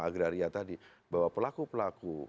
agraria tadi bahwa pelaku pelaku